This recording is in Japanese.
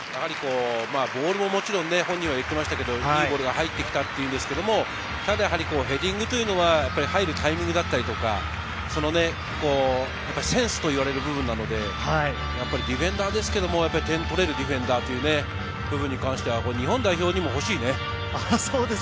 ボールももちろん本人は言っていましたが、いいボールが入ってきたというんですが、ただヘディングというのは入るタイミングだったりとか、センスといわれる部分なので、ディフェンダーですけれども、点を取れるディフェンダーという部分に関しては日本代表にもほしいね。